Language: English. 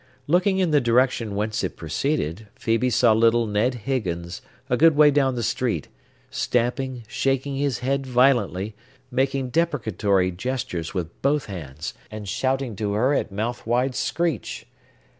Looking in the direction whence it proceeded, Phœbe saw little Ned Higgins, a good way down the street, stamping, shaking his head violently, making deprecatory gestures with both hands, and shouting to her at mouth wide screech.